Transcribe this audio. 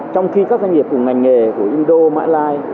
trong khi các doanh nghiệp của ngành nghề của indo mã lai